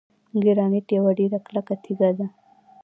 ګرانیټ یوه ډیره کلکه تیږه ده.